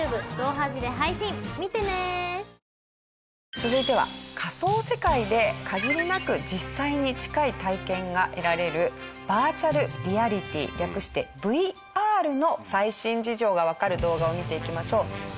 続いては仮想世界で限りなく実際に近い体験が得られるバーチャルリアリティー略してＶＲの最新事情がわかる動画を見ていきましょう。